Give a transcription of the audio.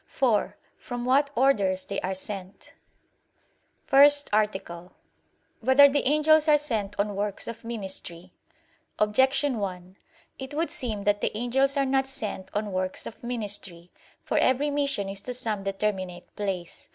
(4) From what orders they are sent. _______________________ FIRST ARTICLE [I, Q. 112, Art. 1] Whether the Angels Are Sent on Works of Ministry? Objection 1: It would seem that the angels are not sent on works of ministry. For every mission is to some determinate place.